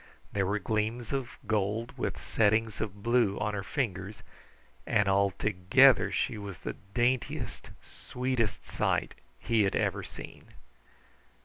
There were gleams of gold with settings of blue on her fingers, and altogether she was the daintiest, sweetest sight he ever had seen.